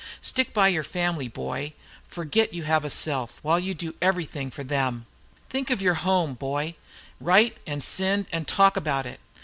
Stick by your family, boy; forget you have a self, while you do everything for them. Think of your home, boy; write and send, and talk about it.